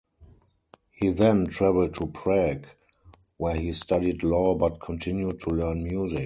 He then travelled to Prague, where he studied law but continued to learn music.